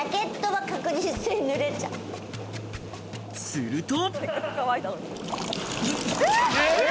すると。